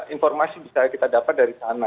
informasi bisa kita dapat dari sana